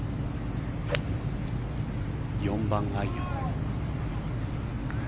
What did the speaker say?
４番アイアン。